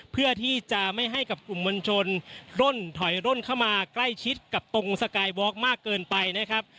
เพื่อที่จะไม่ให้กับกลุ่มมวลชนร่นถอยร่นเข้ามาใกล้ชิดกับตรงสกายวอล์กมากเกินไปนะครับ